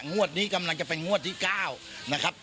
งวดนี้กำลังจะเป็นงวดที่๙นะครับ